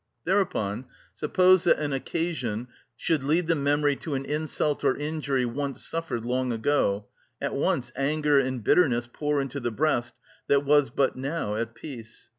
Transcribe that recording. Thereupon, suppose that an occasion should lead the memory to an insult or injury once suffered long ago, at once anger and bitterness pour into the breast that was but now at peace.